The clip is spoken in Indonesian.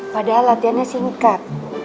padahal latihannya singkat